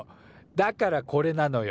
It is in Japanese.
だからこれなのよ。